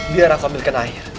biar aku ambilkan air